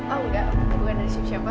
ah udah bukan dari siapa